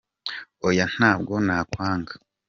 oya ntabwo nakwanga.